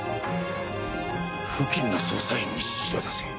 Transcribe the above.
付近の捜査員に指示を出せ。